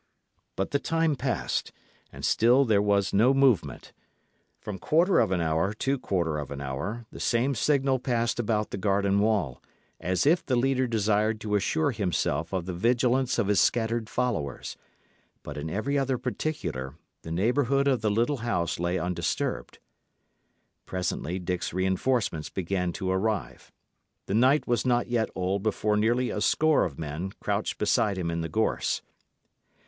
But the time passed, and still there was no movement. From quarter of an hour to quarter of an hour the same signal passed about the garden wall, as if the leader desired to assure himself of the vigilance of his scattered followers; but in every other particular the neighbourhood of the little house lay undisturbed. Presently Dick's reinforcements began to arrive. The night was not yet old before nearly a score of men crouched beside him in the gorse.